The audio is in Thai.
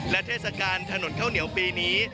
และเทศกาลถนนข้าวเหนียวปีนี้